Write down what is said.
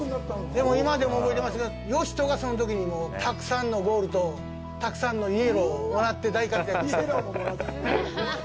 でも、今でも覚えてますけど、嘉人がそのときにもうたくさんのゴールと、たくさんのイエローをもらって、大活躍して。